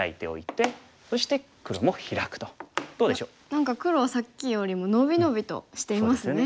何か黒はさっきよりも伸び伸びとしていますね。